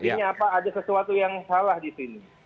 artinya apa ada sesuatu yang salah di sini